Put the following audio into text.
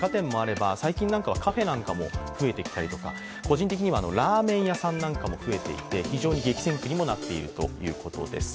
最近はカフェなんかも増えていたりとか、個人的にはラーメン屋さんなんかも増えていて非常に激戦区にもなっているということです。